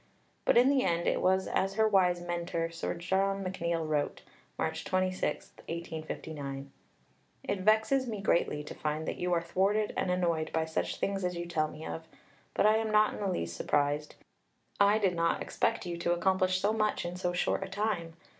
But in the end it was as her wise mentor, Sir John McNeill, wrote (March 26, 1859): "It vexes me greatly to find that you are thwarted and annoyed by such things as you tell me of, but I am not in the least surprised. I did not expect you to accomplish so much in so short a time.